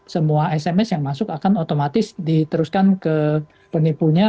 semua sms yang masuk akan otomatis diteruskan ke penipunya